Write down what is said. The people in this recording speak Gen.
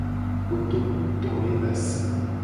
Kotoku to ye le asi nye.